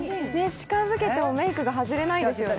近づけてもメイクが外れないですよね。